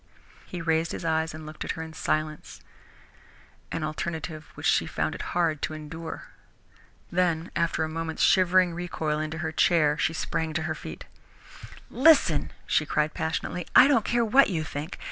He raised his eyes and looked at her in silence, an alternative which she found it hard to endure. Then, after a moment's shivering recoil into her chair, she sprang to her feet. "Listen," she cried passionately, "I don't care what you think!